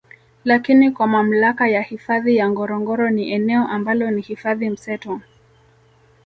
Lakini kwa mamlaka ya hifadhi ya Ngorongoro ni eneo ambalo ni hifadhi mseto